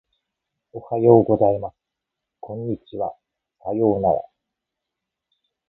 おはようございます。こんにちは。さようなら。